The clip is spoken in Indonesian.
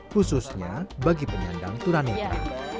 khususnya bagi penyandang tunanetra